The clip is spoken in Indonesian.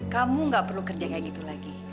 kamu gak perlu kerja kayak gitu lagi